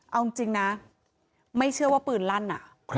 เอาจริงนะไม่เชื่อว่าปืนลั่น